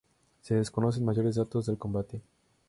Se desconocen mayores datos del Combate.